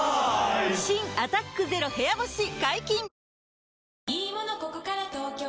新「アタックＺＥＲＯ部屋干し」解禁‼